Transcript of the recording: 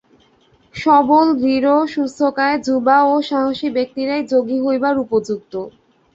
সবল, দৃঢ়, সুস্থকায়, যুবা ও সাহসী ব্যক্তিরাই যোগী হইবার উপযুক্ত।